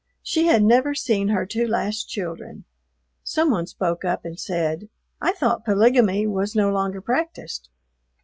She had never seen her two last children. Some one spoke up and said, "I thought polygamy was no longer practiced."